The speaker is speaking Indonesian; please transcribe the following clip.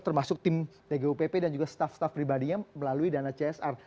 termasuk tim tgupp dan juga staf staff pribadinya melalui dana csr